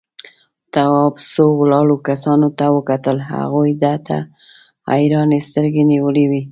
تواب څو ولاړو کسانو ته وکتل، هغوی ده ته حيرانې سترگې نيولې وې.